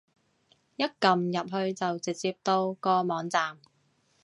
一撳入去就直接到個網站